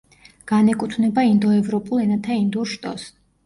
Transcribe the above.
განეკუთვნება ინდოევროპულ ენათა ინდურ შტოს.